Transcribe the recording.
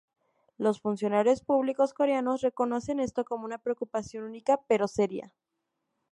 Los funcionarios públicos coreanos reconocen esto como una preocupación única pero seria.